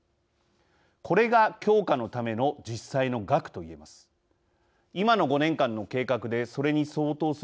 これが強化のための実際の額と言えます。